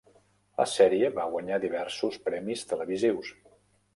La sèrie va guanyar diversos premis televisius.